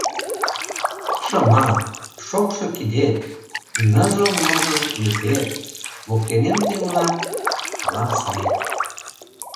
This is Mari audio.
Шыма, шокшо кидет, Ныжыл-ныжыл йӱкет, Воктенем тый улат — мылам сай.